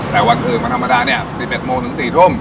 แต่วันอื่นวันธรรมดาเนี่ย๑๑โมงถึง๔ทุ่ม